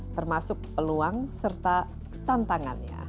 termasuk peluang serta tantangannya